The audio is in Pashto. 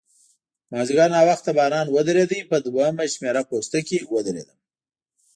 مازیګر ناوخته باران ودرېد، په دوهمه شمېره پوسته کې ودرېدم.